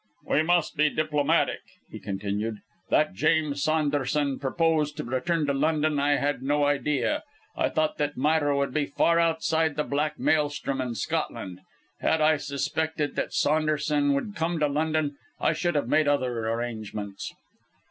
"We must be diplomatic," he continued. "That James Saunderson proposed to return to London, I had no idea. I thought that Myra would be far outside the Black maelström in Scotland. Had I suspected that Saunderson would come to London, I should have made other arrangements."